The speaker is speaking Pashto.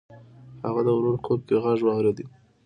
هغه د ورور خوب کې غږ واورېد.